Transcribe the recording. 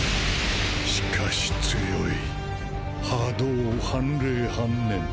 しかし強い波動半冷半燃。